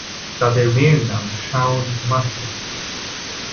তাদের মেয়ের নাম শাওন মাহমুদ।